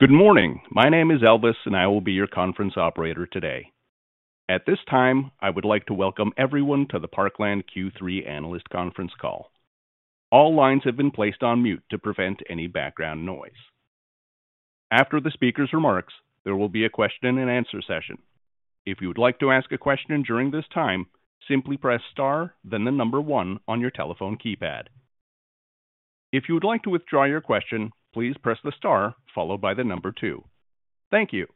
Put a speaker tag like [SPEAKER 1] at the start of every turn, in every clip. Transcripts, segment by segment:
[SPEAKER 1] Good morning. My name is Elvis, and I will be your conference operator today. At this time, I would like to welcome everyone to the Parkland Q3 Analyst Conference call. All lines have been placed on mute to prevent any background noise. After the speaker's remarks, there will be a question-and-answer session. If you would like to ask a question during this time, simply press star, then the number one on your telephone keypad. If you would like to withdraw your question, please press the star followed by the number two. Thank you.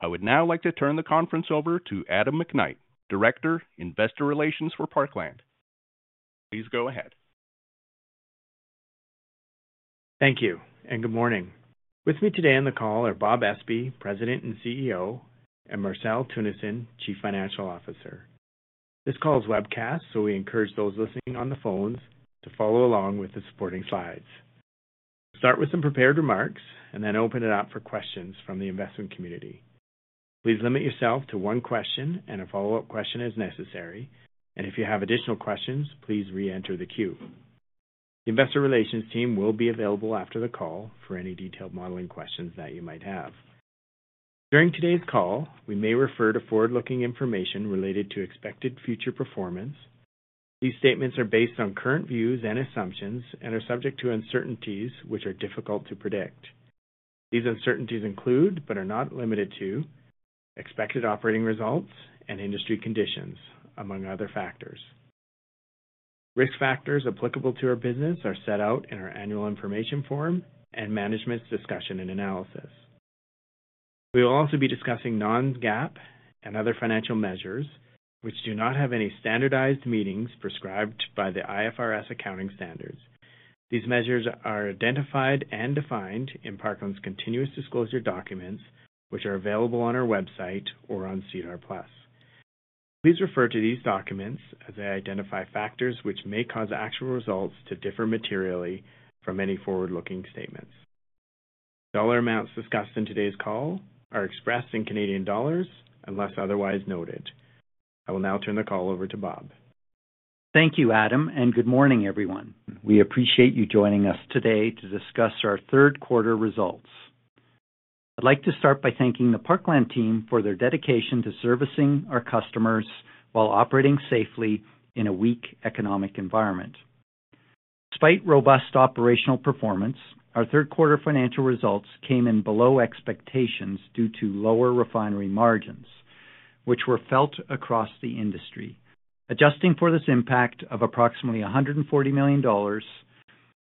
[SPEAKER 1] I would now like to turn the conference over to Adam McKnight, Director, Investor Relations for Parkland. Please go ahead.
[SPEAKER 2] Thank you, and good morning. With me today on the call are Bob Espey, President and CEO, and Marcel Teunissen, Chief Financial Officer. This call is webcast, so we encourage those listening on the phones to follow along with the supporting slides. We'll start with some prepared remarks and then open it up for questions from the investment community. Please limit yourself to one question and a follow-up question as necessary, and if you have additional questions, please re-enter the queue. The investor relations team will be available after the call for any detailed modeling questions that you might have. During today's call, we may refer to forward-looking information related to expected future performance. These statements are based on current views and assumptions and are subject to uncertainties which are difficult to predict. These uncertainties include, but are not limited to, expected operating results and industry conditions, among other factors. Risk factors applicable to our business are set out in our Annual Information Form and Management's Discussion and Analysis. We will also be discussing non-GAAP and other financial measures which do not have any standardized meaning prescribed by the IFRS accounting standards. These measures are identified and defined in Parkland's continuous disclosure documents, which are available on our website or on SEDAR+. Please refer to these documents as they identify factors which may cause actual results to differ materially from any forward-looking statements. Dollar amounts discussed in today's call are expressed in Canadian dollars unless otherwise noted. I will now turn the call over to Bob.
[SPEAKER 3] Thank you, Adam, and good morning, everyone. We appreciate you joining us today to discuss our third-quarter results. I'd like to start by thanking the Parkland team for their dedication to servicing our customers while operating safely in a weak economic environment. Despite robust operational performance, our third-quarter financial results came in below expectations due to lower refinery margins, which were felt across the industry. Adjusting for this impact of approximately 140 million dollars,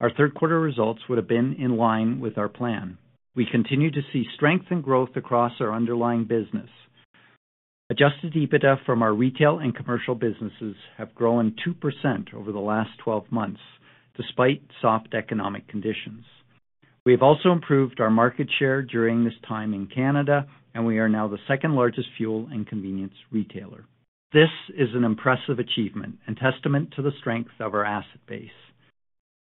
[SPEAKER 3] our third-quarter results would have been in line with our plan. We continue to see strength and growth across our underlying business. Adjusted EBITDA from our retail and commercial businesses have grown 2% over the last 12 months, despite soft economic conditions. We have also improved our market share during this time in Canada, and we are now the second-largest fuel and convenience retailer. This is an impressive achievement and testament to the strength of our asset base,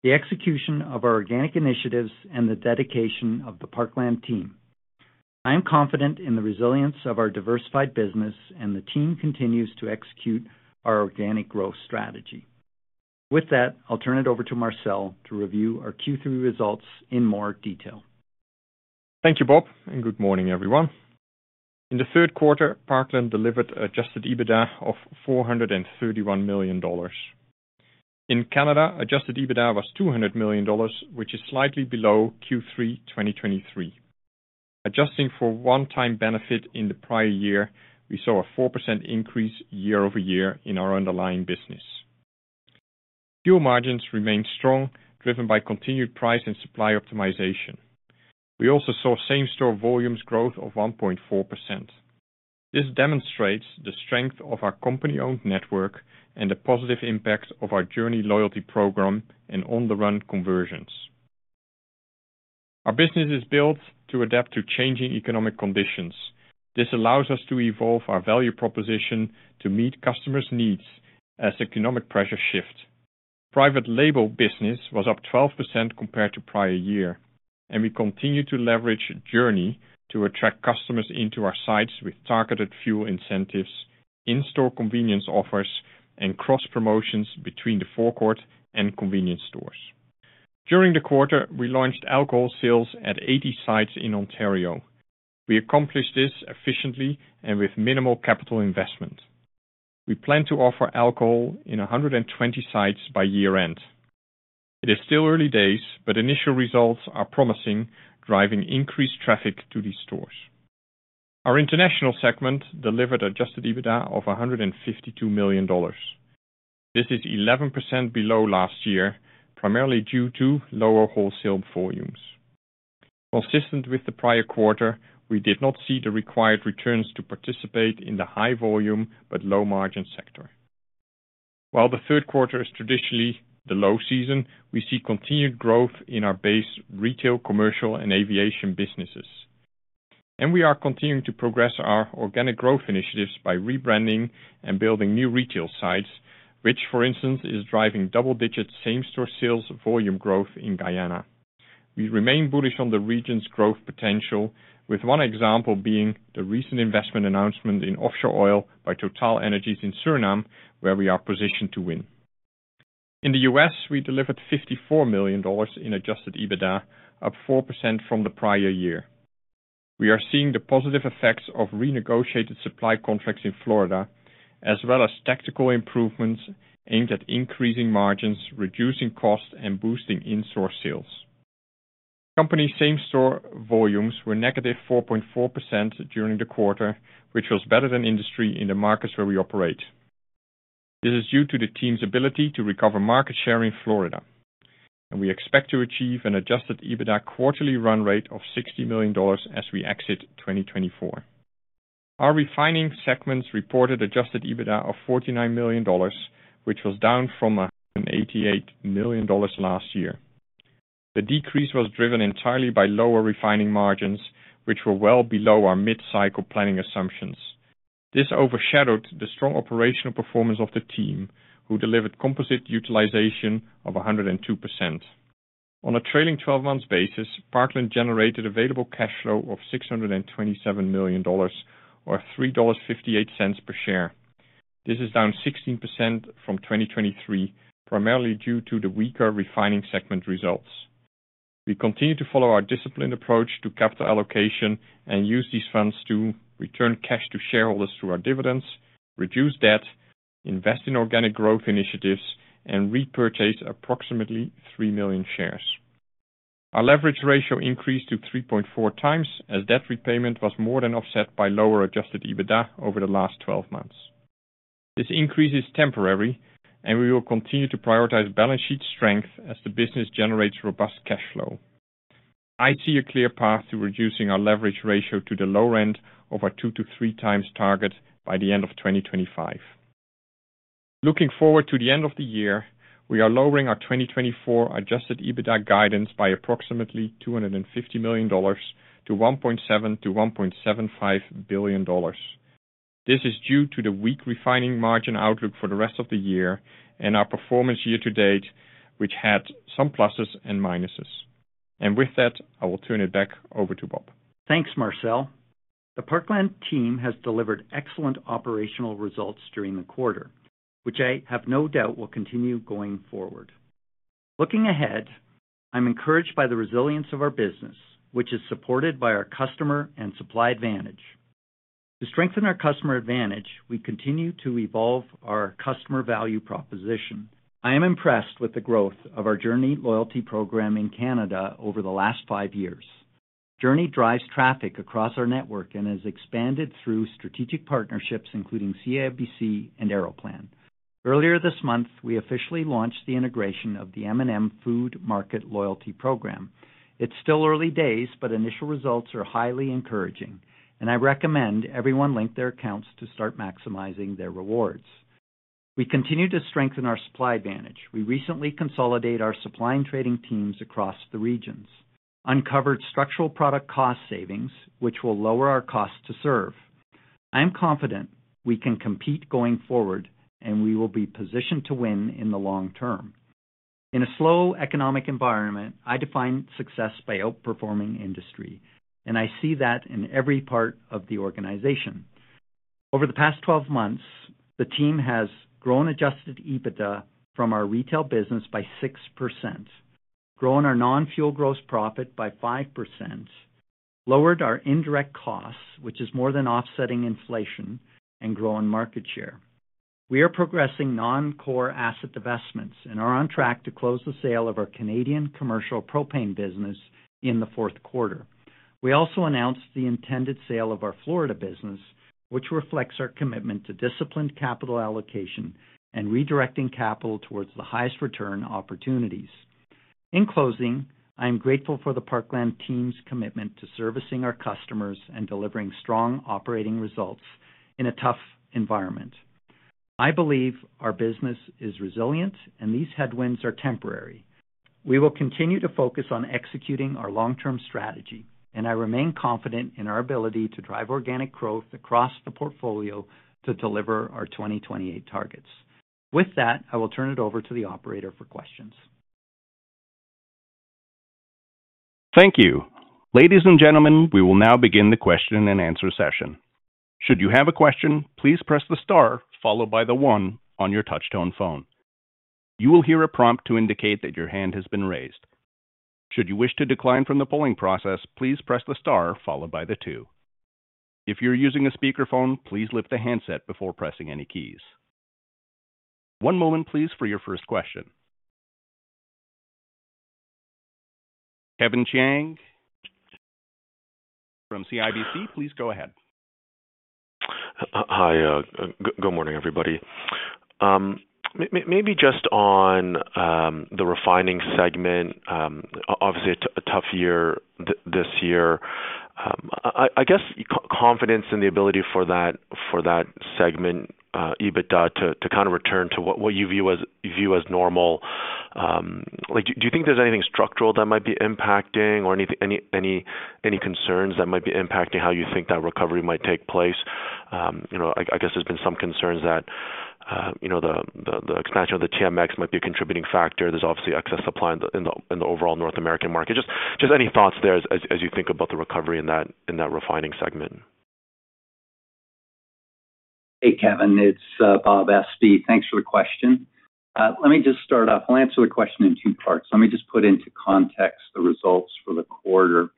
[SPEAKER 3] the execution of our organic initiatives, and the dedication of the Parkland team. I am confident in the resilience of our diversified business, and the team continues to execute our organic growth strategy. With that, I'll turn it over to Marcel to review our Q3 results in more detail.
[SPEAKER 4] Thank you, Bob, and good morning, everyone. In the third quarter, Parkland delivered adjusted EBITDA of 431 million dollars. In Canada, adjusted EBITDA was 200 million dollars, which is slightly below Q3 2023. Adjusting for one-time benefit in the prior year, we saw a 4% increase year-over-year in our underlying business. Fuel margins remained strong, driven by continued price and supply optimization. We also saw same-store volumes growth of 1.4%. This demonstrates the strength of our company-owned network and the positive impact of our JOURNIE loyalty program and On the Run conversions. Our business is built to adapt to changing economic conditions. This allows us to evolve our value proposition to meet customers' needs as economic pressures shift. Private label business was up 12% compared to prior year, and we continue to leverage JOURNIE to attract customers into our sites with targeted fuel incentives, in-store convenience offers, and cross-promotions between the forecourt and convenience stores. During the quarter, we launched alcohol sales at 80 sites in Ontario. We accomplished this efficiently and with minimal capital investment. We plan to offer alcohol in 120 sites by year-end. It is still early days, but initial results are promising, driving increased traffic to these stores. Our international segment delivered Adjusted EBITDA of 152 million dollars. This is 11% below last year, primarily due to lower wholesale volumes. Consistent with the prior quarter, we did not see the required returns to participate in the high-volume but low-margin sector. While the third quarter is traditionally the low season, we see continued growth in our base retail, commercial, and aviation businesses. We are continuing to progress our organic growth initiatives by rebranding and building new retail sites, which, for instance, is driving double-digit same-store sales volume growth in Guyana. We remain bullish on the region's growth potential, with one example being the recent investment announcement in offshore oil by TotalEnergies in Suriname, where we are positioned to win. In the U.S., we delivered 54 million dollars in Adjusted EBITDA, up 4% from the prior year. We are seeing the positive effects of renegotiated supply contracts in Florida, as well as tactical improvements aimed at increasing margins, reducing costs, and boosting in-store sales. Company same-store volumes were -4.4% during the quarter, which was better than industry in the markets where we operate. This is due to the team's ability to recover market share in Florida, and we expect to achieve an Adjusted EBITDA quarterly run rate of 60 million dollars as we exit 2024. Our refining segments reported Adjusted EBITDA of 49 million dollars, which was down from 188 million dollars last year. The decrease was driven entirely by lower refining margins, which were well below our mid-cycle planning assumptions. This overshadowed the strong operational performance of the team, who delivered composite utilization of 102%. On a trailing 12-month basis, Parkland generated available cash flow of 627 million dollars, or 3.58 dollars per share. This is down 16% from 2023, primarily due to the weaker refining segment results. We continue to follow our disciplined approach to capital allocation and use these funds to return cash to shareholders through our dividends, reduce debt, invest in organic growth initiatives, and repurchase approximately three million shares. Our leverage ratio increased to 3.4 times as debt repayment was more than offset by lower Adjusted EBITDA over the last 12 months. This increase is temporary, and we will continue to prioritize balance sheet strength as the business generates robust cash flow. I see a clear path to reducing our leverage ratio to the lower end of our 2 to 3 times target by the end of 2025. Looking forward to the end of the year, we are lowering our 2024 Adjusted EBITDA guidance by approximately 250 million dollars to 1.7-1.75 billion dollars. This is due to the weak refining margin outlook for the rest of the year and our performance year to date, which had some pluses and minuses. And with that, I will turn it back over to Bob.
[SPEAKER 3] Thanks, Marcel. The Parkland team has delivered excellent operational results during the quarter, which I have no doubt will continue going forward. Looking ahead, I'm encouraged by the resilience of our business, which is supported by our customer and supply advantage. To strengthen our customer advantage, we continue to evolve our customer value proposition. I am impressed with the growth of our JOURNIE loyalty program in Canada over the last five years. JOURNIE drives traffic across our network and has expanded through strategic partnerships, including CIBC and Aeroplan. Earlier this month, we officially launched the integration of the M&M Food Market loyalty program. It's still early days, but initial results are highly encouraging, and I recommend everyone link their accounts to start maximizing their rewards. We continue to strengthen our supply advantage. We recently consolidated our supply and trading teams across the regions, uncovered structural product cost savings, which will lower our cost to serve. I am confident we can compete going forward, and we will be positioned to win in the long term. In a slow economic environment, I define success by outperforming industry, and I see that in every part of the organization. Over the past 12 months, the team has grown Adjusted EBITDA from our retail business by 6%, grown our non-fuel gross profit by 5%, lowered our indirect costs, which is more than offsetting inflation, and grown market share. We are progressing non-core asset investments and are on track to close the sale of our Canadian commercial propane business in the fourth quarter. We also announced the intended sale of our Florida business, which reflects our commitment to disciplined capital allocation and redirecting capital towards the highest return opportunities. In closing, I am grateful for the Parkland team's commitment to servicing our customers and delivering strong operating results in a tough environment. I believe our business is resilient, and these headwinds are temporary. We will continue to focus on executing our long-term strategy, and I remain confident in our ability to drive organic growth across the portfolio to deliver our 2028 targets. With that, I will turn it over to the operator for questions.
[SPEAKER 1] Thank you. Ladies and gentlemen, we will now begin the question and answer session. Should you have a question, please press the star followed by the one on your touch-tone phone. You will hear a prompt to indicate that your hand has been raised. Should you wish to decline from the polling process, please press the star followed by the two. If you're using a speakerphone, please lift the handset before pressing any keys. One moment, please, for your first question. Kevin Chiang from CIBC, please go ahead.
[SPEAKER 5] Hi, good morning, everybody. Maybe just on the refining segment, obviously a tough year this year. I guess confidence in the ability for that segment, EBITDA, to kind of return to what you view as normal. Do you think there's anything structural that might be impacting or any concerns that might be impacting how you think that recovery might take place? I guess there's been some concerns that the expansion of the TMX might be a contributing factor. There's obviously excess supply in the overall North American market. Just any thoughts there as you think about the recovery in that refining segment?
[SPEAKER 3] Hey, Kevin. It's Bob Espey. Thanks for the question. Let me just start off. I'll answer the question in two parts. Let me just put into context the results for the quarter.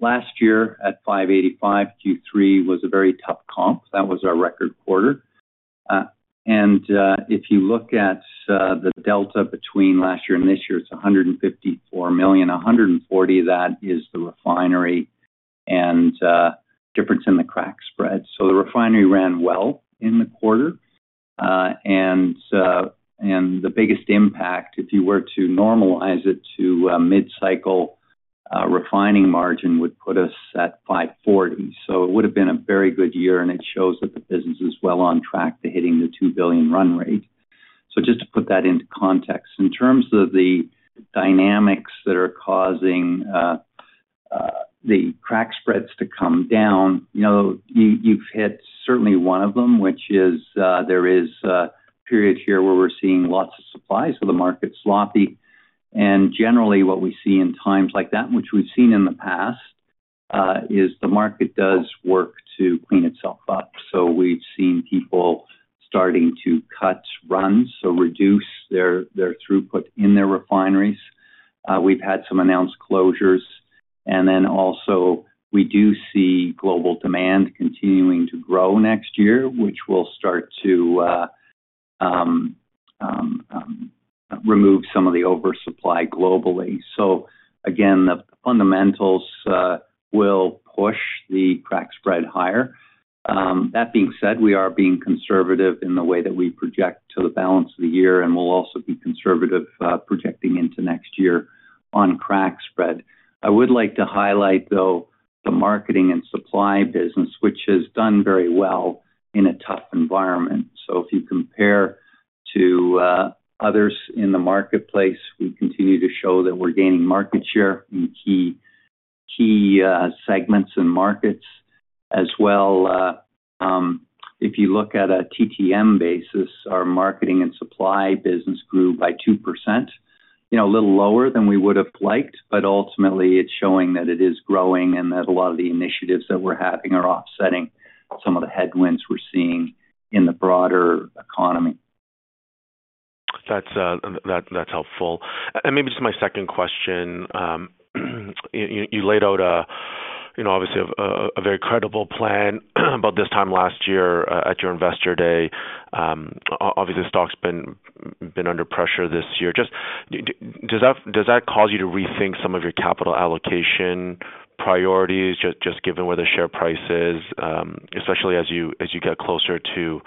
[SPEAKER 3] Last year at 585 million Q3 was a very tough comp. That was our record quarter. And if you look at the delta between last year and this year, it's 154 million. 140 million, that is the refinery and difference in the crack spread. So the refinery ran well in the quarter. And the biggest impact, if you were to normalize it to mid-cycle refining margin, would put us at 540 million. So it would have been a very good year, and it shows that the business is well on track to hitting the 2 billion run rate. So just to put that into context, in terms of the dynamics that are causing the crack spreads to come down, you've hit certainly one of them, which is there is a period here where we're seeing lots of supply. So the market's sloppy. And generally, what we see in times like that, which we've seen in the past, is the market does work to clean itself up. So we've seen people starting to cut runs, so reduce their throughput in their refineries. We've had some announced closures. And then also, we do see global demand continuing to grow next year, which will start to remove some of the oversupply globally. So again, the fundamentals will push the crack spread higher. That being said, we are being conservative in the way that we project to the balance of the year, and we'll also be conservative projecting into next year on crack spread. I would like to highlight, though, the marketing and supply business, which has done very well in a tough environment. So if you compare to others in the marketplace, we continue to show that we're gaining market share in key segments and markets as well. If you look at a TTM basis, our marketing and supply business grew by 2%. A little lower than we would have liked, but ultimately, it's showing that it is growing and that a lot of the initiatives that we're having are offsetting some of the headwinds we're seeing in the broader economy.
[SPEAKER 5] That's helpful. And maybe just my second question. You laid out, obviously, a very credible plan about this time last year at your investor day. Obviously, stock's been under pressure this year. Does that cause you to rethink some of your capital allocation priorities, just given where the share price is, especially as you get closer to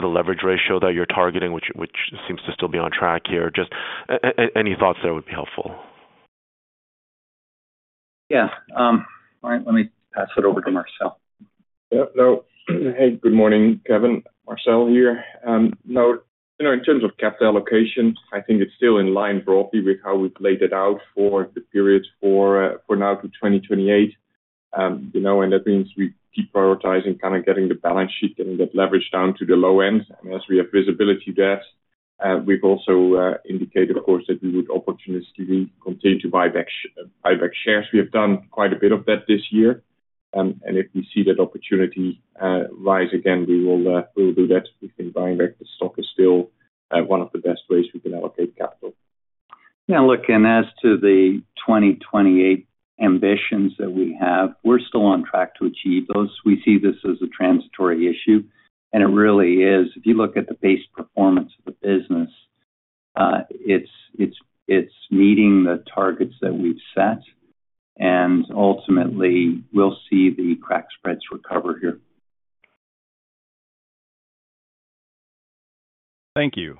[SPEAKER 5] the leverage ratio that you're targeting, which seems to still be on track here? Just any thoughts there would be helpful.
[SPEAKER 3] Yeah. All right. Let me pass it over to Marcel.
[SPEAKER 4] Yep. Hey, good morning, Kevin. Marcel here. No, in terms of capital allocation, I think it's still in line broadly with how we've laid it out for the period for now to 2028. And that means we keep prioritizing kind of getting the balance sheet, getting that leverage down to the low end. And as we have visibility there, we've also indicated, of course, that we would opportunistically continue to buy back shares. We have done quite a bit of that this year. And if we see that opportunity rise again, we will do that. We think buying back the stock is still one of the best ways we can allocate capital.
[SPEAKER 3] Yeah. Look, and as to the 2028 ambitions that we have, we're still on track to achieve those. We see this as a transitory issue, and it really is. If you look at the base performance of the business, it's meeting the targets that we've set, and ultimately, we'll see the crack spreads recover here.
[SPEAKER 1] Thank you.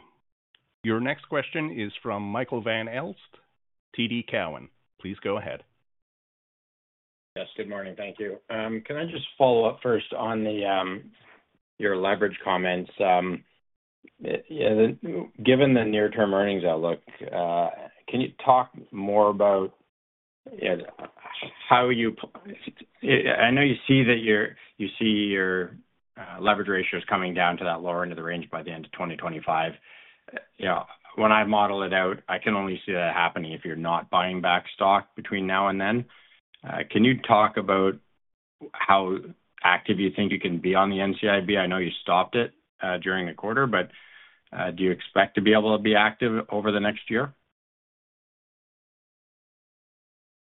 [SPEAKER 1] Your next question is from Michael Van Aelst, TD Cowen. Please go ahead.
[SPEAKER 6] Yes. Good morning. Thank you. Can I just follow up first on your leverage comments? Given the near-term earnings outlook, can you talk more about how you, I know you see your leverage ratios coming down to that lower end of the range by the end of 2025. When I model it out, I can only see that happening if you're not buying back stock between now and then. Can you talk about how active you think you can be on the NCIB? I know you stopped it during the quarter, but do you expect to be able to be active over the next year?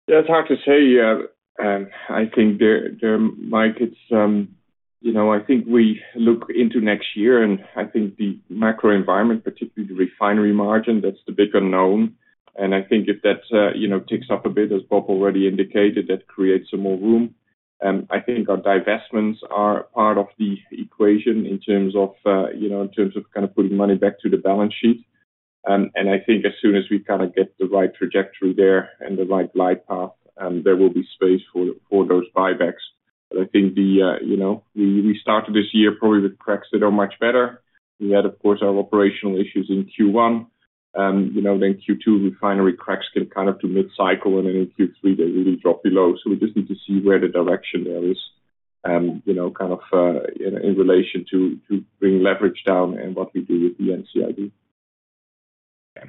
[SPEAKER 4] That's hard to say. I think we look into next year, and I think the macro environment, particularly the refinery margin, that's the big unknown. I think if that ticks up a bit, as Bob already indicated, that creates some more room. I think our divestments are part of the equation in terms of kind of putting money back to the balance sheet. I think as soon as we kind of get the right trajectory there and the right leverage path, there will be space for those buybacks. I think we started this year probably with cracks that are much better. We had, of course, our operational issues in Q1. Then Q2, refinery cracks get kind of to mid-cycle, and then in Q3, they really drop below. We just need to see where the direction there is kind of in relation to bringing leverage down and what we do with the NCIB.
[SPEAKER 6] Okay.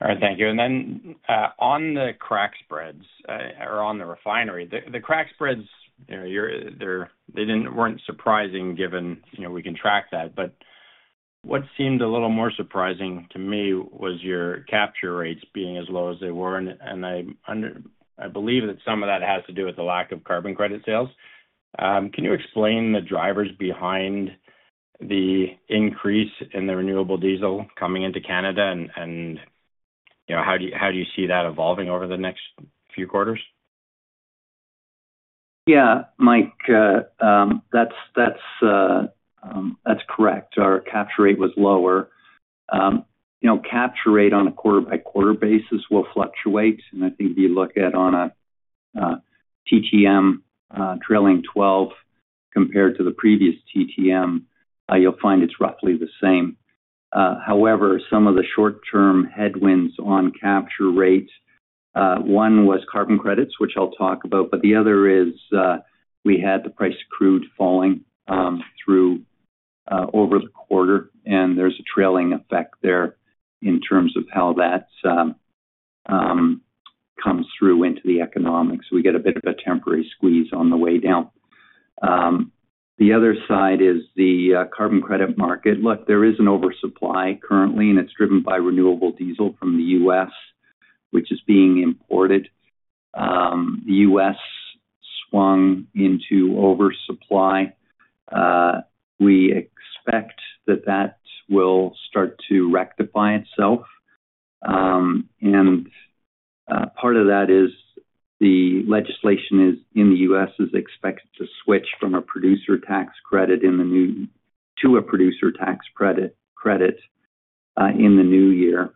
[SPEAKER 6] All right. Thank you. And then on the crack spreads or on the refinery, the crack spreads, they weren't surprising given we can track that. But what seemed a little more surprising to me was your capture rates being as low as they were. And I believe that some of that has to do with the lack of carbon credit sales. Can you explain the drivers behind the increase in the renewable diesel coming into Canada, and how do you see that evolving over the next few quarters?
[SPEAKER 3] Yeah, Mike, that's correct. Our capture rate was lower. Capture rate on a quarter-by-quarter basis will fluctuate. And I think if you look at a TTM trailing 12 compared to the previous TTM, you'll find it's roughly the same. However, some of the short-term headwinds on capture rate, one was carbon credits, which I'll talk about, but the other is we had the price of crude falling through over the quarter. And there's a trailing effect there in terms of how that comes through into the economics. We get a bit of a temporary squeeze on the way down. The other side is the carbon credit market. Look, there is an oversupply currently, and it's driven by renewable diesel from the U.S., which is being imported. The U.S. swung into oversupply. We expect that that will start to rectify itself. And part of that is the legislation in the U.S. is expected to switch from a producer tax credit to a producer tax credit in the new year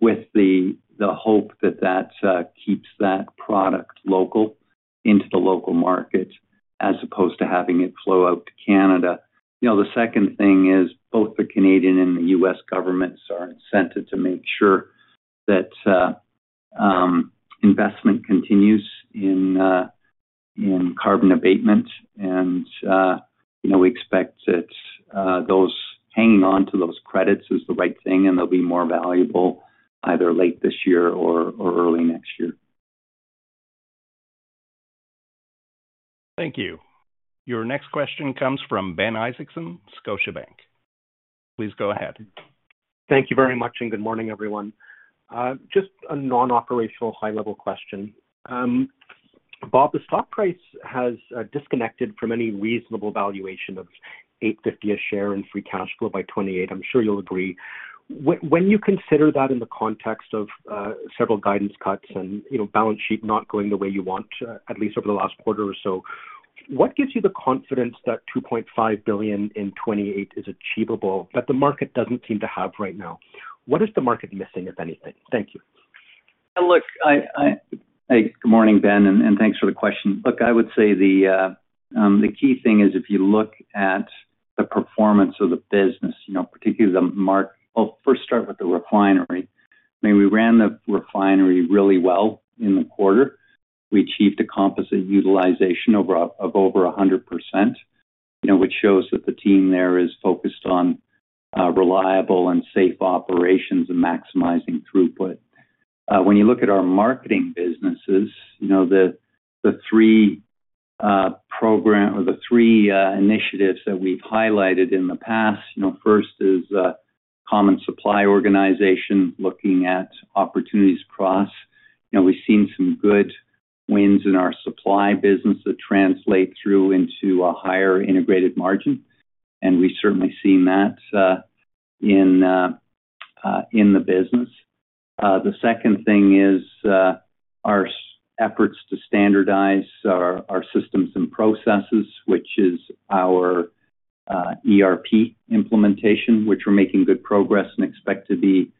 [SPEAKER 3] with the hope that that keeps that product local into the local market as opposed to having it flow out to Canada. The second thing is both the Canadian and the U.S. governments are incentivized to make sure that investment continues in carbon abatement. And we expect that hanging on to those credits is the right thing, and they'll be more valuable either late this year or early next year.
[SPEAKER 1] Thank you. Your next question comes from Ben Isaacson, Scotiabank. Please go ahead.
[SPEAKER 7] Thank you very much, and good morning, everyone. Just a non-operational high-level question. Bob, the stock price has disconnected from any reasonable valuation of 8.50 a share in free cash flow by 2028. I'm sure you'll agree. When you consider that in the context of several guidance cuts and balance sheet not going the way you want, at least over the last quarter or so, what gives you the confidence that 2.5 billion in 2028 is achievable that the market doesn't seem to have right now? What is the market missing, if anything? Thank you.
[SPEAKER 3] Look, good morning, Ben, and thanks for the question. Look, I would say the key thing is if you look at the performance of the business, particularly the, well, first, start with the refinery. I mean, we ran the refinery really well in the quarter. We achieved a composite utilization of over 100%, which shows that the team there is focused on reliable and safe operations and maximizing throughput. When you look at our marketing businesses, the three initiatives that we've highlighted in the past, first is common supply organization looking at opportunities across. We've seen some good wins in our supply business that translate through into a higher integrated margin. And we've certainly seen that in the business. The second thing is our efforts to standardize our systems and processes, which is our ERP implementation, which we're making good progress and expect to be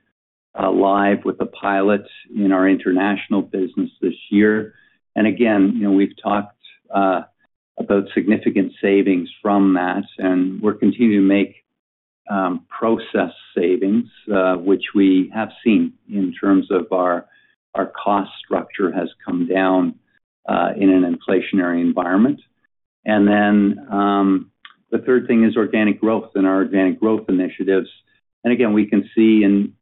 [SPEAKER 3] live with a pilot in our international business this year, and again, we've talked about significant savings from that, and we're continuing to make process savings, which we have seen in terms of our cost structure has come down in an inflationary environment, and then the third thing is organic growth and our organic growth initiatives, and again, we can see in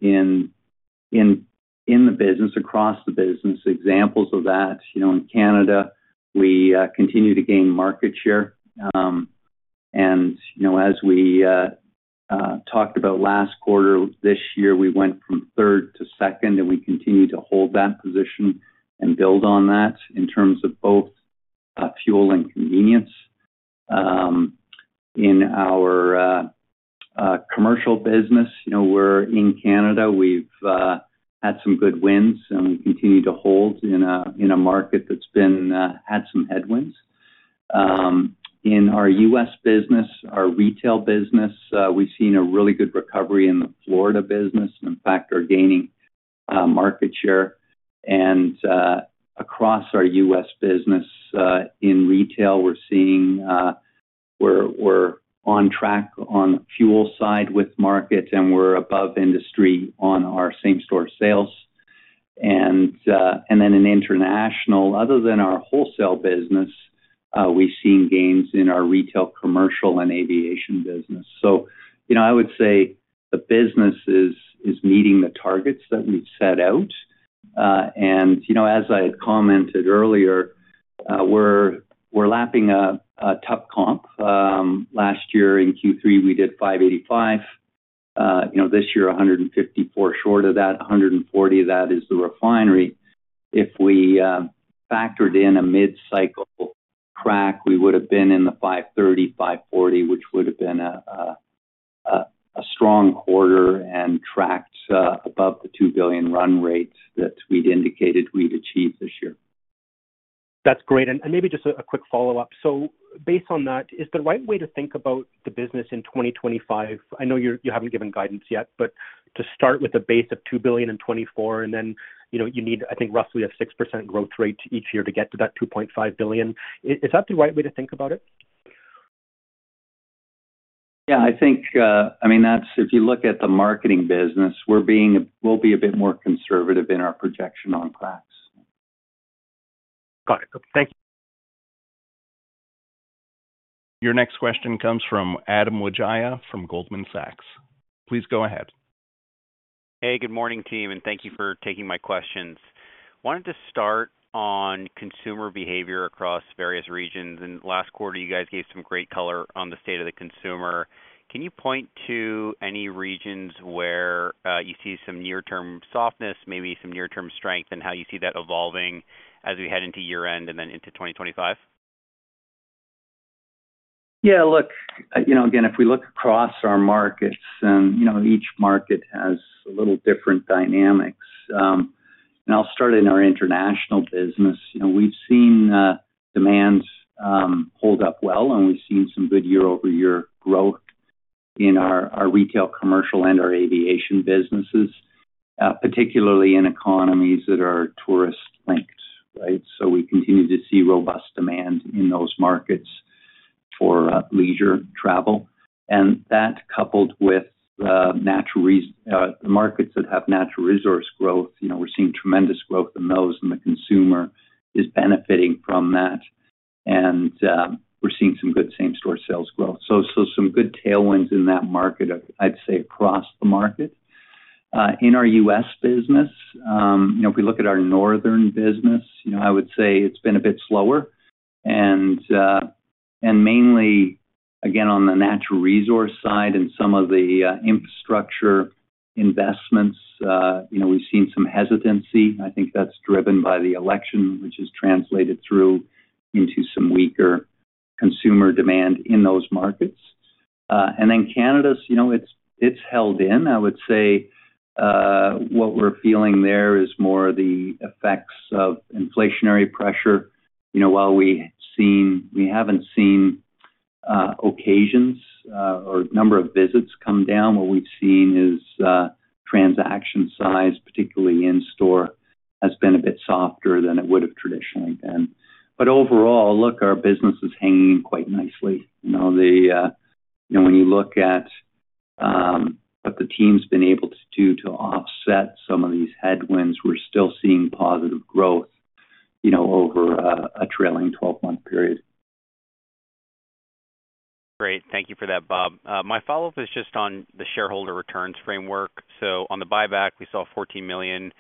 [SPEAKER 3] the business, across the business, examples of that. In Canada, we continue to gain market share, and as we talked about last quarter, this year, we went from third to second, and we continue to hold that position and build on that in terms of both fuel and convenience. In our commercial business, we're in Canada. We've had some good wins, and we continue to hold in a market that's had some headwinds. In our U.S. business, our retail business, we've seen a really good recovery in the Florida business. In fact, we're gaining market share. And across our U.S. business in retail, we're seeing, we're on track on fuel side with market, and we're above industry on our same-store sales. And then in international, other than our wholesale business, we've seen gains in our retail, commercial, and aviation business. So I would say the business is meeting the targets that we've set out. And as I had commented earlier, we're lapping a tough comp. Last year in Q3, we did 585. This year, 154 short of that, 140 of that is the refinery. If we factored in a mid-cycle crack, we would have been in the 530-540, which would have been a strong quarter and tracked above the 2 billion run rate that we'd indicated we'd achieve this year.
[SPEAKER 7] That's great. And maybe just a quick follow-up. So based on that, is the right way to think about the business in 2025? I know you haven't given guidance yet, but to start with a base of 2 billion in 2024, and then you need, I think, roughly a 6% growth rate each year to get to that 2.5 billion. Is that the right way to think about it?
[SPEAKER 3] Yeah. I mean, if you look at the marketing business, we'll be a bit more conservative in our projection on cracks.
[SPEAKER 7] Got it. Thank you.
[SPEAKER 1] Your next question comes from Adam Wijaya from Goldman Sachs. Please go ahead.
[SPEAKER 8] Hey, good morning, team. Thank you for taking my questions. Wanted to start on consumer behavior across various regions. Last quarter, you guys gave some great color on the state of the consumer. Can you point to any regions where you see some near-term softness, maybe some near-term strength, and how you see that evolving as we head into year-end and then into 2025?
[SPEAKER 3] Yeah. Look, again, if we look across our markets, and each market has a little different dynamics, and I'll start in our international business. We've seen demands hold up well, and we've seen some good year-over-year growth in our retail, commercial, and our aviation businesses, particularly in economies that are tourist-linked, right, so we continue to see robust demand in those markets for leisure travel, and that, coupled with the markets that have natural resource growth, we're seeing tremendous growth in those, and the consumer is benefiting from that, and we're seeing some good same-store sales growth, so some good tailwinds in that market, I'd say, across the market. In our U.S. business, if we look at our northern business, I would say it's been a bit slower, and mainly, again, on the natural resource side and some of the infrastructure investments, we've seen some hesitancy. I think that's driven by the election, which has translated through into some weaker consumer demand in those markets, and then Canada, it's held in. I would say what we're feeling there is more the effects of inflationary pressure. While we haven't seen occasions or number of visits come down, what we've seen is transaction size, particularly in-store, has been a bit softer than it would have traditionally been, but overall, look, our business is hanging in quite nicely. When you look at what the team's been able to do to offset some of these headwinds, we're still seeing positive growth over a trailing 12-month period.
[SPEAKER 8] Great. Thank you for that, Bob. My follow-up is just on the shareholder returns framework. So on the buyback, we saw 14 million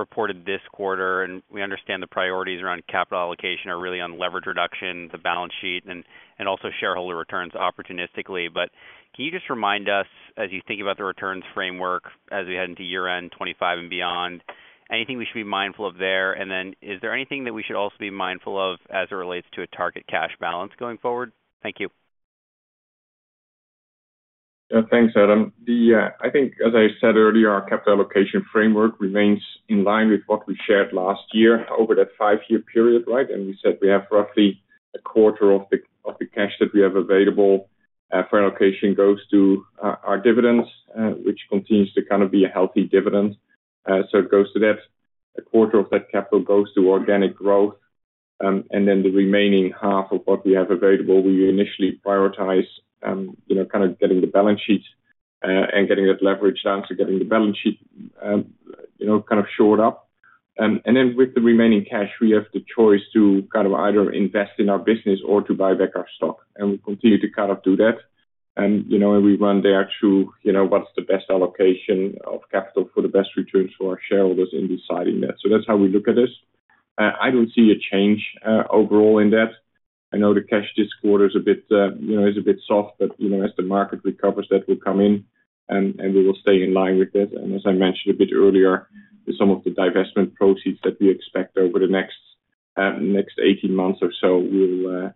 [SPEAKER 8] reported this quarter. And we understand the priorities around capital allocation are really on leverage reduction, the balance sheet, and also shareholder returns opportunistically. But can you just remind us, as you think about the returns framework as we head into year-end 2025 and beyond, anything we should be mindful of there? And then is there anything that we should also be mindful of as it relates to a target cash balance going forward? Thank you.
[SPEAKER 4] Thanks, Adam. I think, as I said earlier, our capital allocation framework remains in line with what we shared last year over that five-year period, right? And we said we have roughly a quarter of the cash that we have available for allocation goes to our dividends, which continues to kind of be a healthy dividend. So it goes to that. A quarter of that capital goes to organic growth. And then the remaining half of what we have available, we initially prioritize kind of getting the balance sheet and getting that leverage down to getting the balance sheet kind of shored up. And then with the remaining cash, we have the choice to kind of either invest in our business or to buy back our stock. And we continue to kind of do that. And we run that through what's the best allocation of capital for the best returns for our shareholders in deciding that. So that's how we look at this. I don't see a change overall in that. I know the cash this quarter is a bit soft, but as the market recovers, that will come in, and we will stay in line with that. And as I mentioned a bit earlier, some of the divestment proceeds that we expect over the next 18 months or so, we'll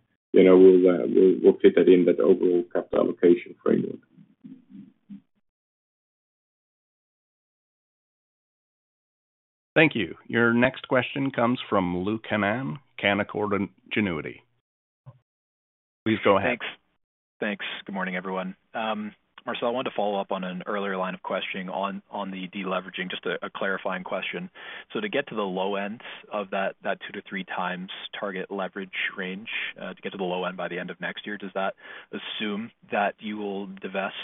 [SPEAKER 4] fit that in that overall capital allocation framework.
[SPEAKER 1] Thank you. Your next question comes from Luke Hannan, Canaccord Genuity. Please go ahead.
[SPEAKER 9] Thanks. Good morning, everyone. Marcel, I wanted to follow up on an earlier line of questioning on the deleveraging, just a clarifying question. So to get to the low end of that two to three times target leverage range, to get to the low end by the end of next year, does that assume that you will divest,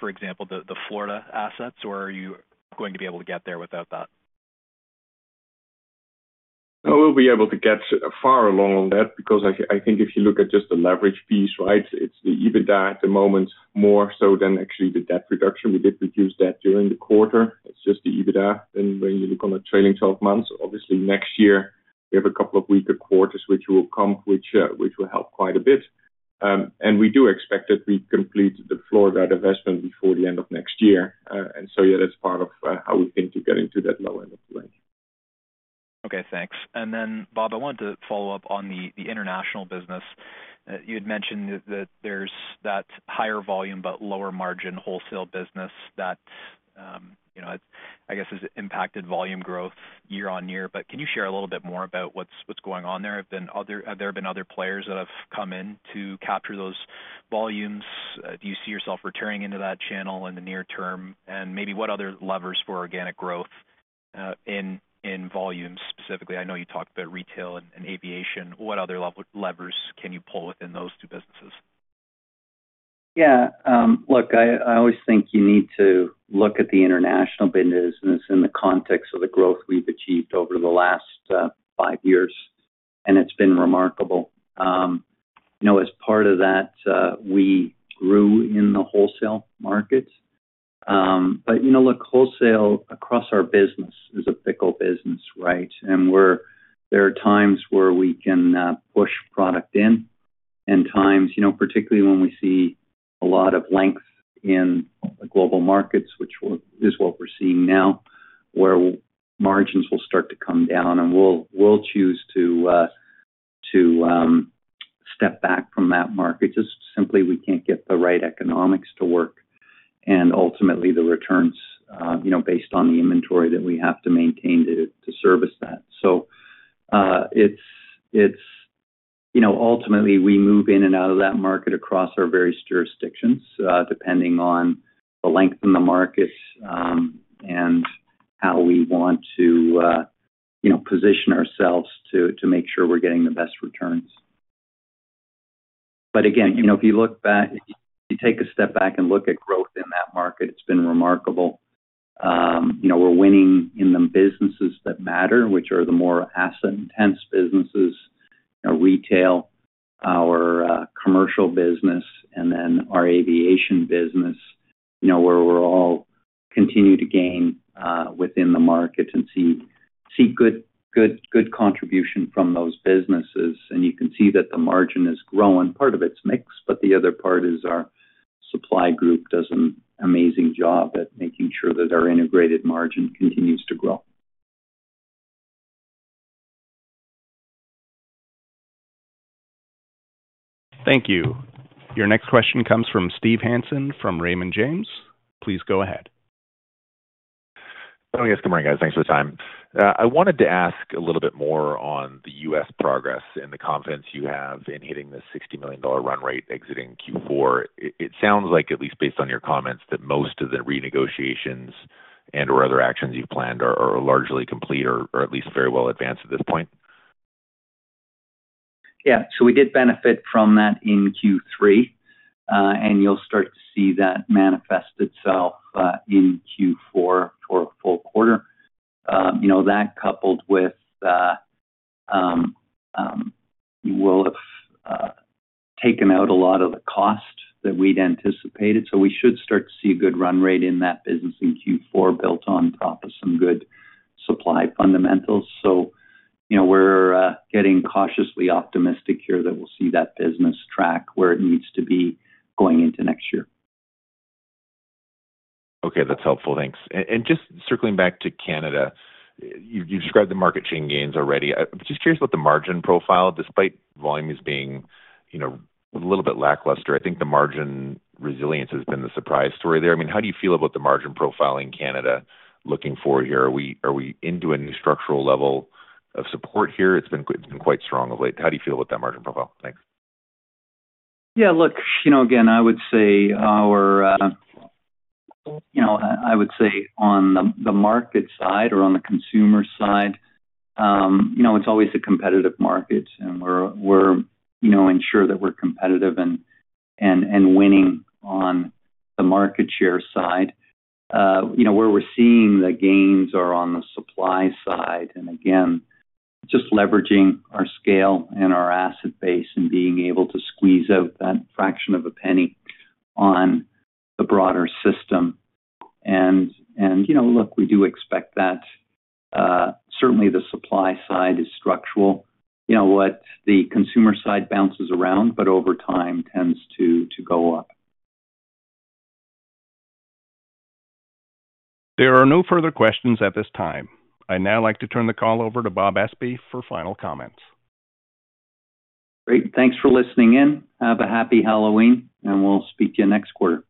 [SPEAKER 9] for example, the Florida assets, or are you going to be able to get there without that?
[SPEAKER 4] We'll be able to get far along on that because I think if you look at just the leverage piece, right, it's the EBITDA at the moment more so than actually the debt reduction. We did reduce debt during the quarter. It's just the EBITDA. And when you look on the trailing 12 months, obviously, next year, we have a couple of weaker quarters, which will help quite a bit. And we do expect that we complete the Florida divestment before the end of next year. And so, yeah, that's part of how we think to get into that low end of the range.
[SPEAKER 9] Okay. Thanks. And then, Bob, I wanted to follow up on the international business. You had mentioned that there's that higher volume but lower margin wholesale business that, I guess, has impacted volume growth year-on-year. But can you share a little bit more about what's going on there? Have there been other players that have come in to capture those volumes? Do you see yourself returning into that channel in the near term? And maybe what other levers for organic growth in volumes specifically? I know you talked about retail and aviation. What other levers can you pull within those two businesses?
[SPEAKER 3] Yeah. Look, I always think you need to look at the international business in the context of the growth we've achieved over the last five years. And it's been remarkable. As part of that, we grew in the wholesale markets. But look, wholesale across our business is a fickle business, right? And there are times where we can push product in and times, particularly when we see a lot of length in the global markets, which is what we're seeing now, where margins will start to come down. And we'll choose to step back from that market just simply we can't get the right economics to work and ultimately the returns based on the inventory that we have to maintain to service that. So ultimately, we move in and out of that market across our various jurisdictions, depending on the length in the market and how we want to position ourselves to make sure we're getting the best returns. But again, if you look back, if you take a step back and look at growth in that market, it's been remarkable. We're winning in the businesses that matter, which are the more asset-intense businesses, retail, our commercial business, and then our aviation business, where we're all continuing to gain within the market and see good contribution from those businesses. And you can see that the margin is growing. Part of it's mixed, but the other part is our supply group does an amazing job at making sure that our integrated margin continues to grow.
[SPEAKER 1] Thank you. Your next question comes from Steve Hansen from Raymond James. Please go ahead.
[SPEAKER 10] Yes. Good morning, guys. Thanks for the time. I wanted to ask a little bit more on the U.S. progress and the confidence you have in hitting the 60 million dollar run rate exiting Q4. It sounds like, at least based on your comments, that most of the renegotiations and/or other actions you've planned are largely complete or at least very well advanced at this point.
[SPEAKER 3] Yeah. So we did benefit from that in Q3. And you'll start to see that manifest itself in Q4 for a full quarter. That, coupled with, we will have taken out a lot of the cost that we'd anticipated. So we should start to see a good run rate in that business in Q4 built on top of some good supply fundamentals. So we're getting cautiously optimistic here that we'll see that business track where it needs to be going into next year.
[SPEAKER 10] Okay. That's helpful. Thanks. And just circling back to Canada, you described the market chain gains already. I'm just curious about the margin profile. Despite volumes being a little bit lackluster, I think the margin resilience has been the surprise story there. I mean, how do you feel about the margin profile in Canada looking forward here? Are we into a new structural level of support here? It's been quite strong of late. How do you feel about that margin profile? Thanks.
[SPEAKER 3] Yeah. Look, again, I would say our—I would say on the market side or on the consumer side, it's always a competitive market. And we're ensured that we're competitive and winning on the market share side. Where we're seeing the gains are on the supply side. And again, just leveraging our scale and our asset base and being able to squeeze out that fraction of a penny on the broader system. And look, we do expect that. Certainly, the supply side is structural. What the consumer side bounces around, but over time tends to go up.
[SPEAKER 1] There are no further questions at this time. I'd now like to turn the call over to Bob Espey for final comments.
[SPEAKER 3] Great. Thanks for listening in. Have a happy Halloween. And we'll speak to you next quarter.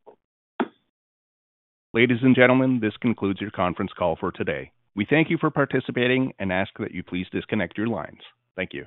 [SPEAKER 1] Ladies and gentlemen, this concludes your conference call for today. We thank you for participating and ask that you please disconnect your lines. Thank you.